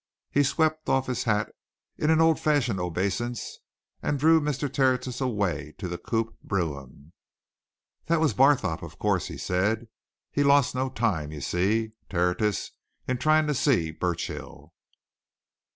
He swept off his hat in an old fashioned obeisance and drew Mr. Tertius away to the coupé brougham. "That was Barthorpe, of course," he said. "He lost no time, you see, Tertius, in trying to see Burchill."